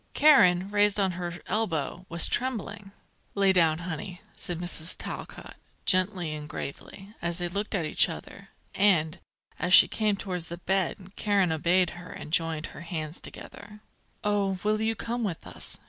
Karen, raised on her elbow, was trembling. "Lay down, honey," said Mrs. Talcott, gently and gravely, as they looked at each other; and, as she came towards the bed, Karen obeyed her and joined her hands together. "Oh, will you come with us?"